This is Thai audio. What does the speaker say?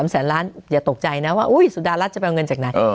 แสนล้านอย่าตกใจนะว่าสุดารัฐจะไปเอาเงินจากไหน